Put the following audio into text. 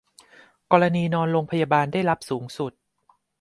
กรณีนอนโรงพยาบาลได้รับสูงสุด